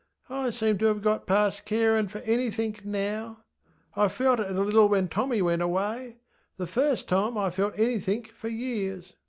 I seem to have got past carinŌĆÖ for anythink now. I felt it a little when Tommy went awayŌĆöthe first time I felt anythink for years.